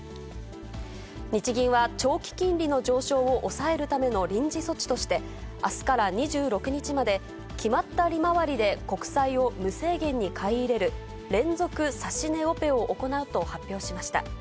日銀は、長期金利の上昇を抑えるための臨時措置として、あすから２６日まで、決まった利回りで国債を無制限に買い入れる連続指し値オペを行うと発表しました。